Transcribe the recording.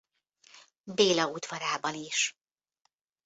Béla udvarában is.